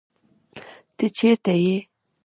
ته چېرته يې